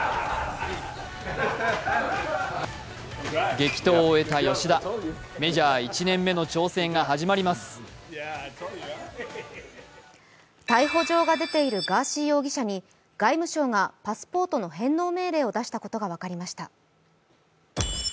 激闘を終えた吉田、メジャー１年目の挑戦が始まります逮捕状が出ているガーシー容疑者に外務省がパスポートの返納命令を出したことが分かりました。